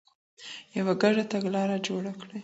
يوه ګډه تګلاره جوړه کړئ.